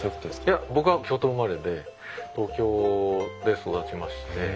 いや僕は京都生まれで東京で育ちまして。